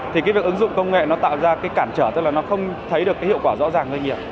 thì cái việc ứng dụng công nghệ nó tạo ra cái cản trở tức là nó không thấy được cái hiệu quả rõ ràng doanh nghiệp